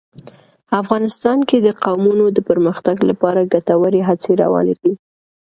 افغانستان کې د قومونه د پرمختګ لپاره ګټورې هڅې روانې دي.